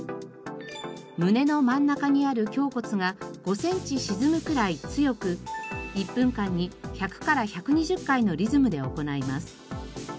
胸の真ん中にある胸骨が５センチ沈むくらい強く１分間に１００から１２０回のリズムで行います。